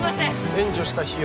援助した費用